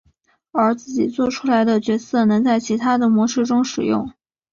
而自己作出来的角色能在其他的模式中使用。